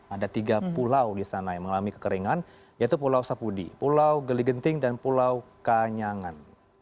ada tiga pulau di sana yang mengalami kekeringan yaitu pulau sapudi pulau geligenting dan pulau kanyangan